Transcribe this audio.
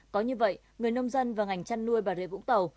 có như vậy người nông dân và ngành chăn nuôi bà rịa vũng tàu